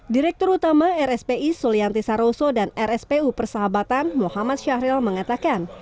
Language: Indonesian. direktur utama rspi sulianti saroso dan rspu persahabatan muhammad syahril mengatakan